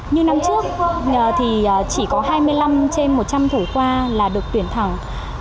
như năm trước thì chỉ có hai mươi năm trên một trăm linh thủ khoa là được tuyển thẳng